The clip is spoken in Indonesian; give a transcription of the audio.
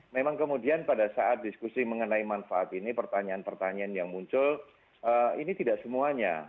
memang kemudian pada saat diskusi mengenai manfaat ini pertanyaan pertanyaan yang muncul ini tidak semuanya